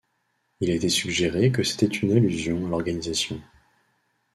Il a été suggéré que c'était une allusion à l'organisation.